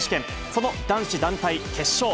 その男子団体決勝。